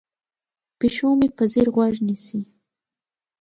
پیشو مې په ځیر غوږ نیسي.